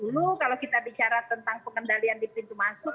dulu kalau kita bicara tentang pengendalian di pintu masuk